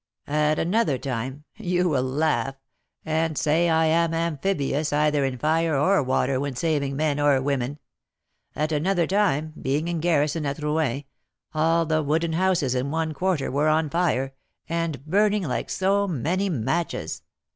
At another time, you will laugh, and say I am amphibious either in fire or water when saving men or women, at another time, being in garrison at Rouen, all the wooden houses in one quarter were on fire, and burning like so many matches.